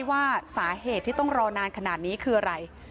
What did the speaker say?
ว่าสาเหตุที่ต้องรอนานขนาดนี้คืออะไร